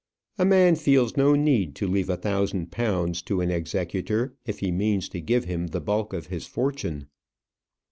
A man feels no need to leave a thousand pounds to an executor if he means to give him the bulk of his fortune.